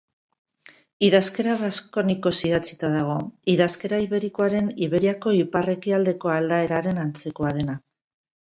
Idazkera baskonikoz idatzia dago, idazkera iberikoaren Iberiako ipar-ekialdeko aldaeraren antzekoa dena